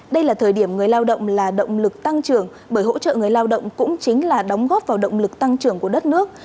đây là thời điểm người lao động là động lực tăng trưởng bởi hỗ trợ người lao động cũng chính là đóng góp vào động lực tăng trưởng của đất nước